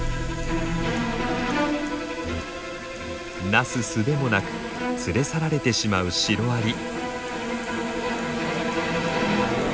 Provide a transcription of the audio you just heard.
なすすべもなく連れ去られてしまうシロアリ。